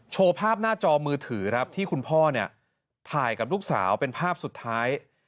โชว์ภาพหน้าจอมือถือครับที่คุณพ่อเนี่ยถ่ายกับลูกสาวเป็นภาพสุดท้าย